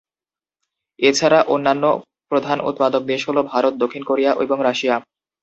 এছাড়া অন্যান্য প্রধান উৎপাদক দেশ হল ভারত, দক্ষিণ কোরিয়া এবং রাশিয়া।